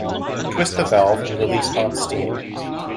Twist the valve and release hot steam.